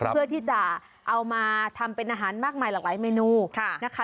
เพื่อที่จะเอามาทำเป็นอาหารมากมายหลากหลายเมนูนะคะ